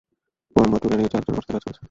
কোয়েম্বাটুরের এই চারজন আমার সাথে কাজ করেছে।